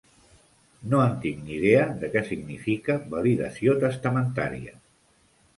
No en tinc ni idea de què significa "validació testamentària".